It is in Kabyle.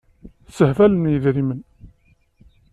Ssehbalen yidrimen.